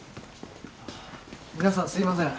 皆さんすいません。